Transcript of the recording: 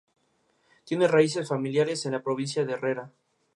Stalin endureció entonces las relaciones con el Gobierno de Polonia en el exilio.